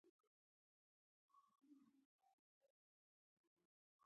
که وغواړو چې اووه اووه یا اته او نهه سېلابه نارې شته.